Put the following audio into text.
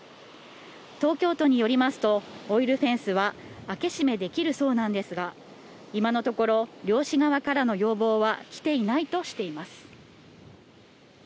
東京都によりますと、オイルフェンスは開け閉めできるそうなんですが、今のところ、漁師側からの要望は来ていないとしています。